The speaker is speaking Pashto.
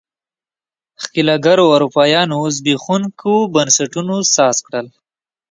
ښکېلاکګرو اروپایانو زبېښونکو بنسټونو ساز کړل.